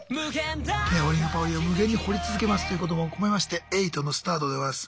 「ねほりんぱほりん」は無限に掘り続けますということも含めまして８のスタートでございます。